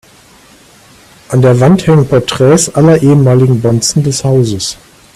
An der Wand hängen Porträts aller ehemaligen Bonzen des Hauses.